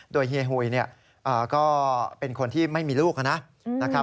โดยเฮียหุยก็เป็นคนที่ไม่มีลูกนะครับ